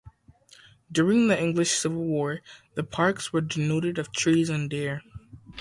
During the English Civil War, the parks were denuded of trees and deer.